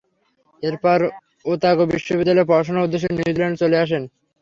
এরপর, ওতাগো বিশ্ববিদ্যালয়ে পড়াশোনার উদ্দেশ্যে নিউজিল্যান্ডে চলে আসেন।